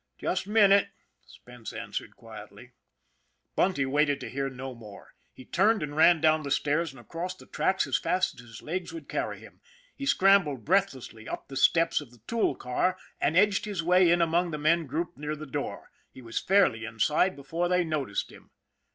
" Just a minute," Spence answered quietly. Bunty waited to hear no more. He turned and ran down the stairs and across the tracks as fast as his legs would carry him. He scrambled breathlessly up the steps of the tool car and edged his way in among the men grouped near the door. He was fairly inside be fore they noticed him.